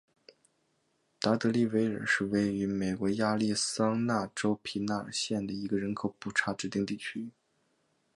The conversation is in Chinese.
达德利维尔是位于美国亚利桑那州皮纳尔县的一个人口普查指定地区。